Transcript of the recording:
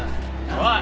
おい！